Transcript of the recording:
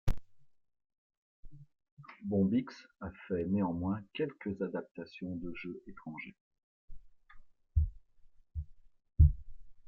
Bombyx a fait néanmoins quelques adaptations de jeux étrangers.